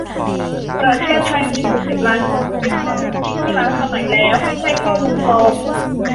ประเทศไทยมีหกสิบล้านคน เป็นข้อเท็จจริงที่ล้าสมัยแล้ว ไม่ใช่ข้อมูลปลอม